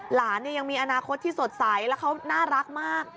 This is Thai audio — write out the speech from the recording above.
หลานยังมีอนาคตที่สดใสแล้วเขาน่ารักมาก